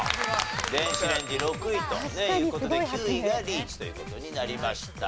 電子レンジ６位という事で９位がリーチという事になりました。